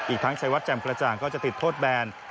อีกทั้งชัยวัดแจ่มกระจ่างก็จะติดโทษแบน